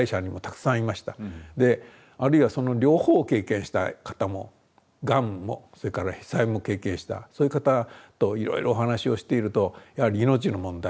であるいはその両方を経験した方もがんもそれから被災も経験したそういう方といろいろお話をしているとやはり命の問題というのに行き着きます。